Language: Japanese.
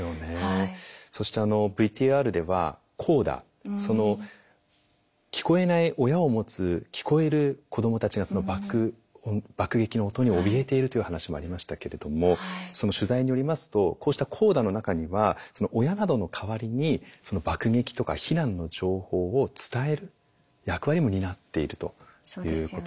そしてＶＴＲではコーダ聞こえない親を持つ聞こえる子どもたちが爆撃の音におびえているという話もありましたけれども取材によりますとこうしたコーダの中には親などの代わりに爆撃とか避難の情報を伝える役割も担っているということなんですよね。